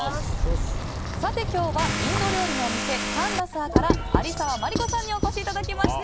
今日はインド料理のお店サンラサーから有澤まりこさんにお越しいただきました。